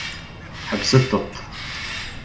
Ḥebset-t.